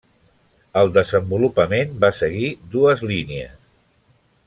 El desenvolupament va seguir dues línies.